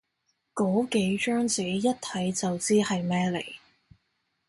個幾張紙，一睇就知係咩嚟